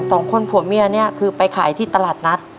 สองคนผัวเมียเนี่ยคือไปขายที่ตลาดนัด